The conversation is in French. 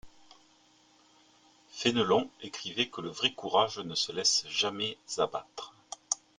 Fénelon écrivait que le vrai courage ne se laisse jamais abattre.